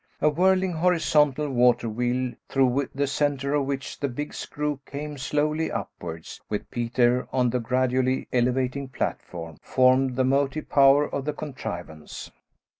A whirling horizontal water wheel, through the centre of which the big screw came slowly upwards, with Peter on the gradually elevating platform, formed the motive power of the contrivance.